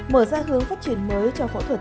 mở ra hướng phát triển mới cho phẫu thuật